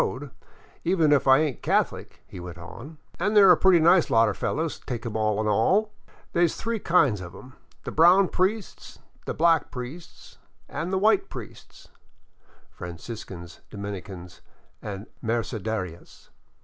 VAGABONDING DOWN THE ANDES even if I ain't a Catholic," he went on, " an' they 're a pretty nice lot o' fellers, take 'em all in all. They 's three kinds of 'em : the brown priests, the black priests, an' the white priests " (Franciscans, Dominicans, and Mercedarias).